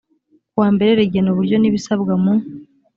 kuwambere rigena uburyo n ibisabwa mu